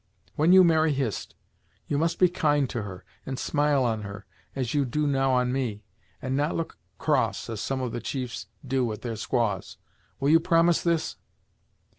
When you marry Hist, you must be kind to her, and smile on her, as you do now on me, and not look cross as some of the chiefs do at their squaws. Will you promise this?"